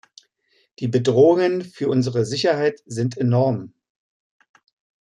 Die Bedrohungen für unsere Sicherheit sind enorm.